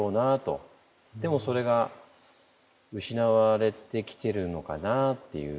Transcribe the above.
でもそれが失われてきてるのかなっていう。